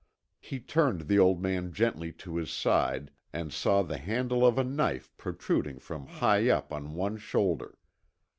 He turned the old man gently to his side and saw the handle of a knife protruding from high up on one shoulder.